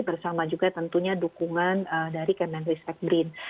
bersama juga tentunya dukungan dari kementerian respekt brin